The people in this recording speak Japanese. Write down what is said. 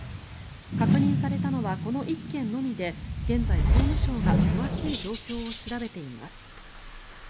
確認されたのはこの１件のみで現在、総務省が詳しい状況を調べています。